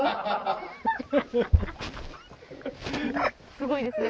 すごいですね。